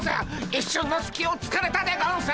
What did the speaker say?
一瞬のすきをつかれたでゴンス！